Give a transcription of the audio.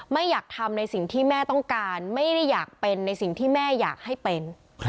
ไม่อยากทำในสิ่งที่แม่ต้องการไม่ได้อยากเป็นในสิ่งที่แม่อยากให้เป็น